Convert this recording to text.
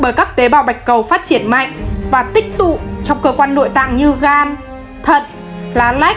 bởi các tế bào bạch cầu phát triển mạnh và tích tụ trong cơ quan nội tạng như gan thận lách